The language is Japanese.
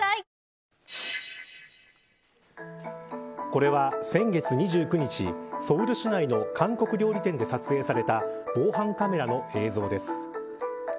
これは先月２９日ソウル市内の韓国料理店で撮影された防犯カメラの映像です。